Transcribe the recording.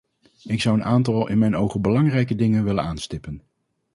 Ik zou een aantal in mijn ogen belangrijke dingen willen aanstippen.